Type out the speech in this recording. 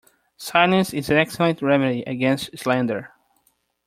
Silence is an excellent remedy against slander.